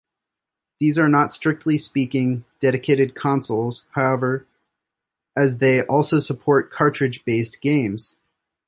These are not strictly-speaking, dedicated consoles, however, as they also support cartridge-based games.